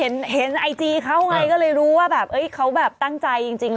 เห็นไอจีเขาไงก็เลยรู้ว่าแบบเขาแบบตั้งใจจริง